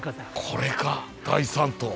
これか第３棟。